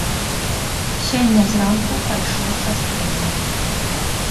Сёння зранку пайшоў са стрэльбай.